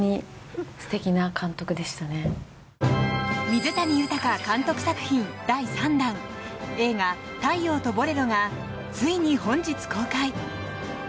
水谷豊監督作品第３弾映画「太陽とボレロ」がついに本日公開。